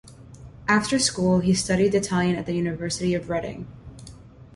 After school, he studied Italian at the University of Reading.